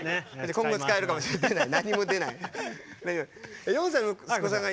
今後使えるかもしれない。